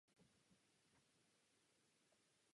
To je to, čeho chceme dosáhnout.